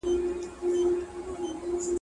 که وخت وي، کښېناستل کوم!